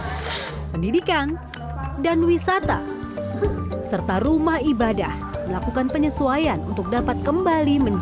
sektor ekonomi pendidikan dan wisata serta rumah ibadah melakukan penyesuaian untuk dapat kembali menjamu masyarakat